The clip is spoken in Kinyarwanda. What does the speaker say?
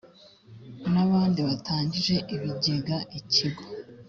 n abandi batangije ibigega ikigo